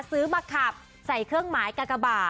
ซื้อมาขับใส่เครื่องหมายกากบ่า